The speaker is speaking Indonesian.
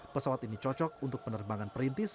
pesawat ini cocok untuk penerbangan perintis